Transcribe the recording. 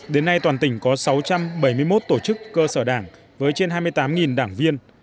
đến nay toàn tỉnh có sáu trăm bảy mươi một tổ chức cơ sở đảng với trên hai mươi tám đảng viên